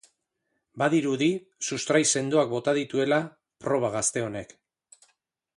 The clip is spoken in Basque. Badirudi sustrai sendoak bota dituela proba gazte honek.